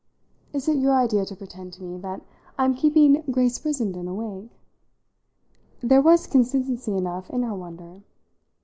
"Is it your idea to pretend to me that I'm keeping Grace Brissenden awake?" There was consistency enough in her wonder.